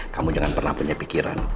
kamu jangan pernah punya pikiran